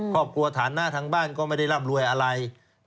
พ่อปลัวฐานหน้าทางบ้านก็ไม่ได้รับรวยอะไร